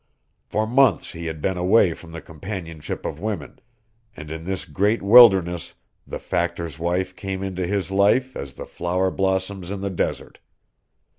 For months he had been away from the companionship of women, and in this great wilderness the Factor's wife came into his life as the flower blossoms in the desert.